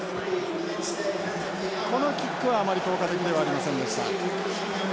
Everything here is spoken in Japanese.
このキックはあまり効果的ではありませんでした。